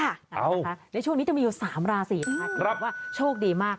ในช่วงนี้จะมีอยู่๓ราศีนะคะว่าโชคดีมาก